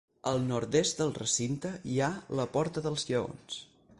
Al nord-oest del recinte hi ha la Porta dels Lleons.